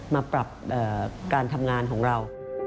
มาปรับการทำงานของเรา